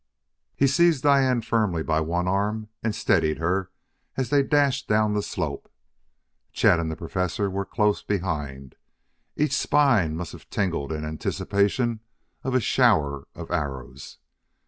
He seized Diane firmly by one arm and steadied her as they dashed down the slope. Chet and the professor were close behind. Each spine must have tingled in anticipation of a shower of arrows.